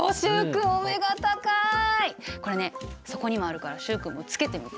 これねそこにもあるから習君もつけてみて。